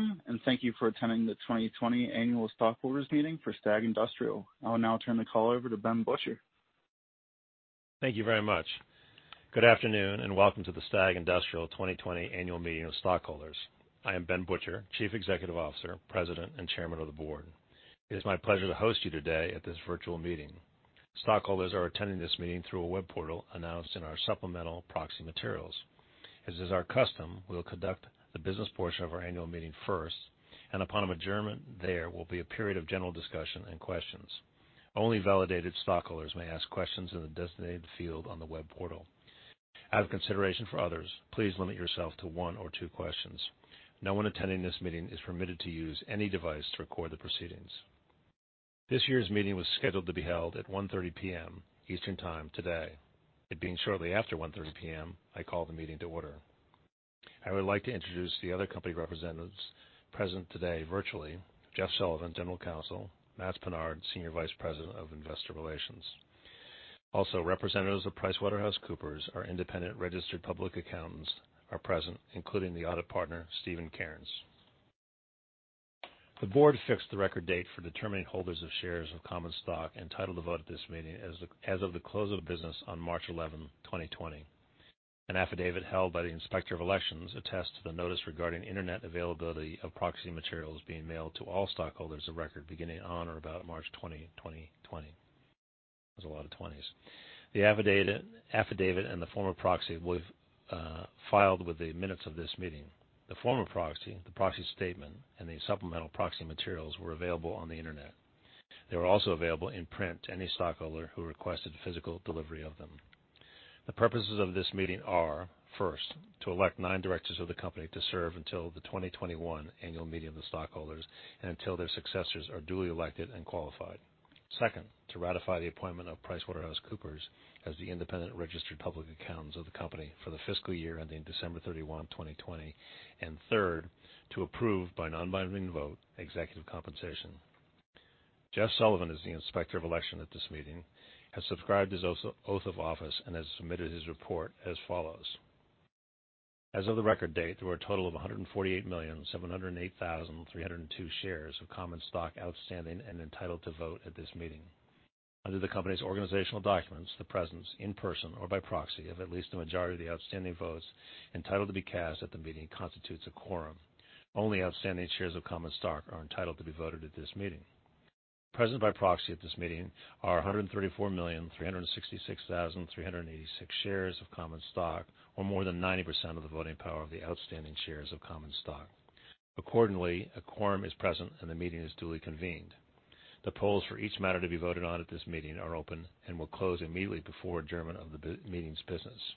Welcome, and thank you for attending the 2020 Annual Stockholders Meeting for STAG Industrial. I will now turn the call over to Ben Butcher. Thank you very much. Good afternoon, welcome to the STAG Industrial 2020 Annual Meeting of Stockholders. I am Ben Butcher, Chief Executive Officer, President, and Chairman of the Board. It is my pleasure to host you today at this virtual meeting. Stockholders are attending this meeting through a web portal announced in our supplemental proxy materials. As is our custom, we will conduct the business portion of our annual meeting first, and upon adjournment there will be a period of general discussion and questions. Only validated stockholders may ask questions in the designated field on the web portal. Out of consideration for others, please limit yourself to one or two questions. No one attending this meeting is permitted to use any device to record the proceedings. This year's meeting was scheduled to be held at 1:30 P.M. Eastern Time today. It being shortly after 1:30 P.M., I call the meeting to order. I would like to introduce the other company representatives present today virtually, Jeff Sullivan, General Counsel, Matts Pinard, Senior Vice President of Investor Relations. Also, representatives of PricewaterhouseCoopers, our independent registered public accountants, are present, including the audit partner, Stephen Cairns. The Board fixed the record date for determining holders of shares of common stock entitled to vote at this meeting as of the close of business on March 11, 2020. An affidavit held by the Inspector of Elections attests to the notice regarding internet availability of proxy materials being mailed to all stockholders of record beginning on or about March 20, 2020. That was a lot of 20s. The affidavit and the form of proxy were filed with the minutes of this meeting. The form of proxy, the proxy statement, and the supplemental proxy materials were available on the internet. They were also available in print to any stockholder who requested physical delivery of them. The purposes of this meeting are, first, to elect nine directors of the company to serve until the 2021 Annual Meeting of the Stockholders and until their successors are duly elected and qualified. Second, to ratify the appointment of PricewaterhouseCoopers as the independent registered public accountants of the company for the fiscal year ending December 31, 2020. Third, to approve by non-binding vote executive compensation. Jeff Sullivan is the Inspector of Election at this meeting, has subscribed his oath of office, and has submitted his report as follows. As of the record date, there were a total of 148,708,302 shares of common stock outstanding and entitled to vote at this meeting. Under the company's organizational documents, the presence, in person or by proxy, of at least a majority of the outstanding votes entitled to be cast at the meeting constitutes a quorum. Only outstanding shares of common stock are entitled to be voted at this meeting. Present by proxy at this meeting are 134,366,386 shares of common stock, or more than 90% of the voting power of the outstanding shares of common stock. Accordingly, a quorum is present, and the meeting is duly convened. The polls for each matter to be voted on at this meeting are open and will close immediately before adjournment of the meeting's business.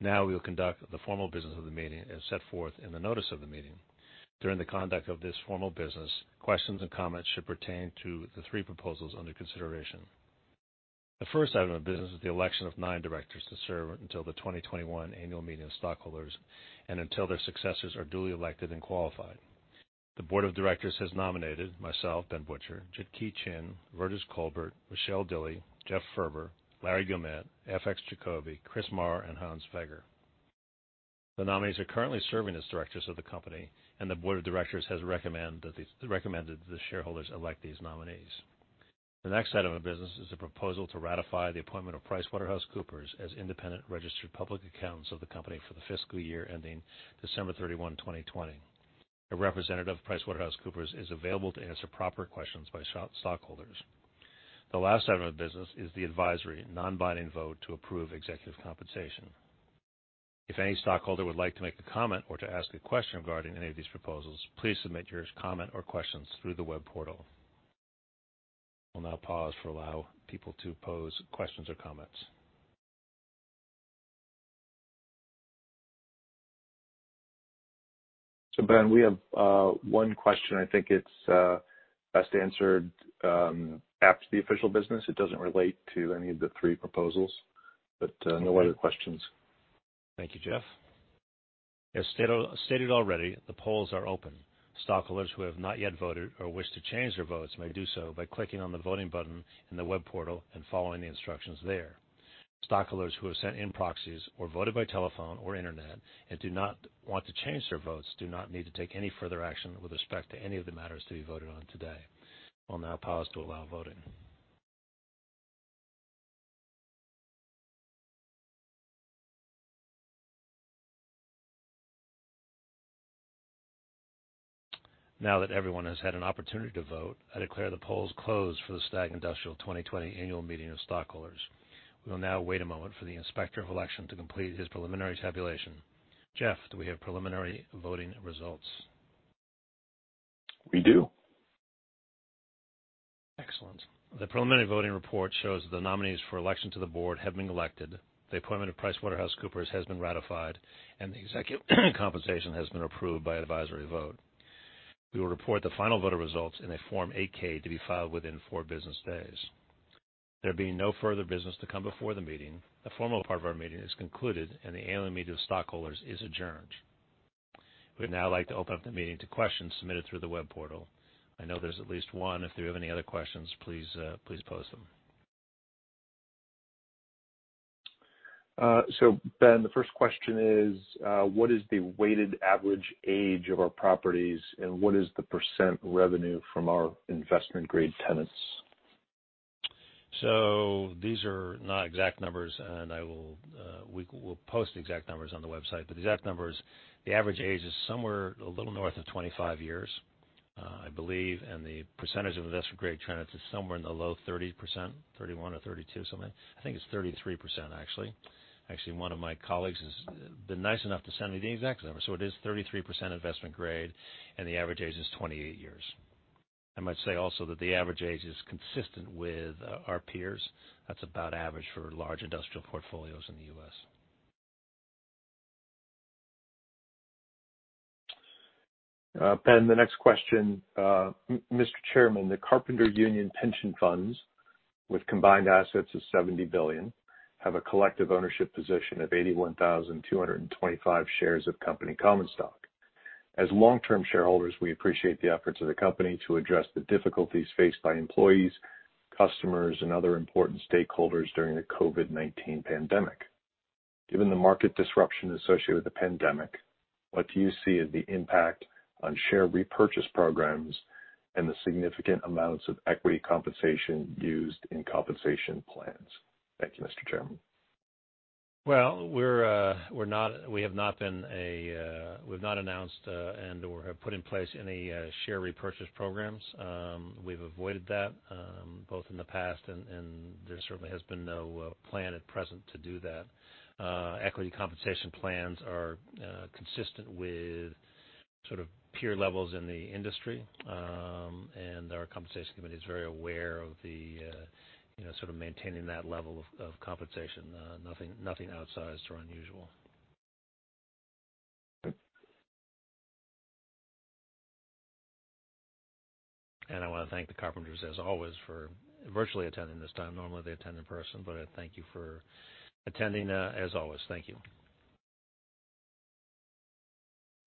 Now we will conduct the formal business of the meeting as set forth in the notice of the meeting. During the conduct of this formal business, questions and comments should pertain to the three proposals under consideration. The first item of business is the election of nine directors to serve until the 2021 Annual Meeting of Stockholders and until their successors are duly elected and qualified. The Board of Directors has nominated myself, Ben Butcher, Jit Kee Chin, Virgis Colbert, Michelle Dilley, Jeff Furber, Larry Guilmette, FX Jacoby, Chris Marr, and Hans Weger. The nominees are currently serving as directors of the company, and the Board of Directors has recommended that the shareholders elect these nominees. The next item of business is the proposal to ratify the appointment of PricewaterhouseCoopers as independent registered public accountants of the company for the fiscal year ending December 31, 2020. A representative of PricewaterhouseCoopers is available to answer proper questions by stockholders. The last item of business is the advisory, non-binding vote to approve executive compensation. If any stockholder would like to make a comment or to ask a question regarding any of these proposals, please submit your comment or questions through the web portal. We'll now pause for allow people to pose questions or comments. Ben, we have one question. I think it's best answered after the official business. It doesn't relate to any of the three proposals, but no other questions. Thank you, Jeff. As stated already, the polls are open. Stockholders who have not yet voted or wish to change their votes may do so by clicking on the voting button in the web portal and following the instructions there. Stockholders who have sent in proxies or voted by telephone or internet and do not want to change their votes do not need to take any further action with respect to any of the matters to be voted on today. We'll now pause to allow voting. Now that everyone has had an opportunity to vote, I declare the polls closed for the STAG Industrial 2020 Annual Meeting of Stockholders. We will now wait a moment for the Inspector of Election to complete his preliminary tabulation. Jeff, do we have preliminary voting results? We do. Excellent. The preliminary voting report shows that the nominees for election to the Board have been elected, the appointment of PricewaterhouseCoopers has been ratified, and the executive compensation has been approved by advisory vote. We will report the final voter results in a Form 8-K to be filed within four business days. There being no further business to come before the meeting, the formal part of our meeting is concluded, and the Annual Meeting of Stockholders is adjourned. We'd now like to open up the meeting to questions submitted through the web portal. I know there's at least one. If there are any other questions, please post them. Ben, the first question is: what is the weighted average age of our properties, and what is the percent revenue from our investment-grade tenants? These are not exact numbers, and we'll post the exact numbers on the website. The exact numbers, the average age is somewhere a little north of 25 years, I believe. The percentage of investment-grade tenants is somewhere in the low 30%, 31% or 32% something. I think it's 33%, actually. Actually, one of my colleagues has been nice enough to send me the exact numbers. It is 33% investment grade, and the average age is 28 years. I might say also that the average age is consistent with our peers. That's about average for large industrial portfolios in the U.S. Ben, the next question. Mr. Chairman, the Carpenters Union pension funds, with combined assets of $70 billion, have a collective ownership position of 81,225 shares of company common stock. As long-term shareholders, we appreciate the efforts of the company to address the difficulties faced by employees, customers, and other important stakeholders during the COVID-19 pandemic. Given the market disruption associated with the pandemic, what do you see as the impact on share repurchase programs and the significant amounts of equity compensation used in compensation plans? Thank you, Mr. Chairman. Well, we've not announced, and/or have put in place any share repurchase programs. We've avoided that both in the past, and there certainly has been no plan at present to do that. Equity compensation plans are consistent with peer levels in the industry. Our compensation committee is very aware of maintaining that level of compensation. Nothing outsized or unusual. I want to thank the Carpenters, as always, for virtually attending this time. Normally, they attend in person, but thank you for attending as always. Thank you.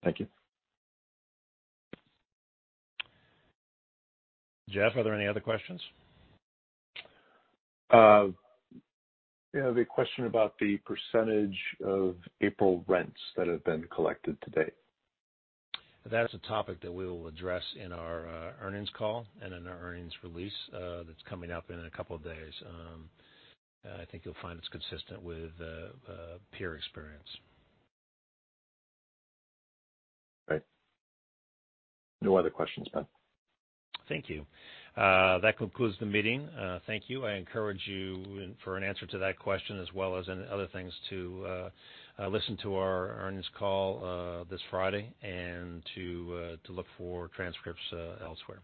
Thank you. Jeff, are there any other questions? The question about the percentage of April rents that have been collected to date. That's a topic that we will address in our earnings call and in our earnings release that's coming up in a couple of days. I think you'll find it's consistent with peer experience. Right. No other questions, Ben. Thank you. That concludes the meeting. Thank you. I encourage you, for an answer to that question as well as any other things, to listen to our earnings call this Friday and to look for transcripts elsewhere.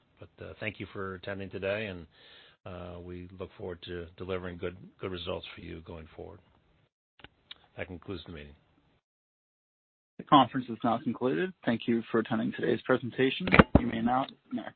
Thank you for attending today, and we look forward to delivering good results for you going forward. That concludes the meeting. The conference is now concluded. Thank you for attending today's presentation. You may now disconnect.